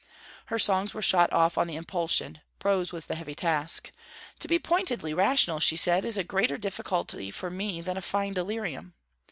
Her songs were shot off on the impulsion; prose was the heavy task. 'To be pointedly rational,' she said, 'is a greater difficulty for me than a fine delirium.'